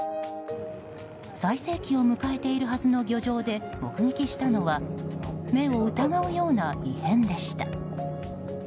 最盛期を迎えているはずの漁場で目撃したのは目を疑うような異変でした。